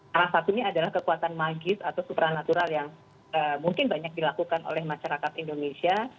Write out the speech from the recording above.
salah satunya adalah kekuatan magis atau supranatural yang mungkin banyak dilakukan oleh masyarakat indonesia